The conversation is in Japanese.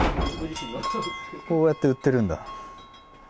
こうやって売ってるんだ。